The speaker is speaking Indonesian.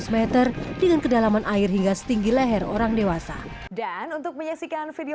seratus meter dengan kedalaman air hingga setinggi leher orang dewasa dan untuk menyaksikan video